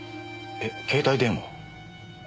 えっ携帯電話を？